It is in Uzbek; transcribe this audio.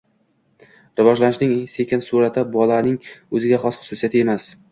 Rivojlanishning sekin sur’ati bolaning o‘ziga xos xususiyati emas.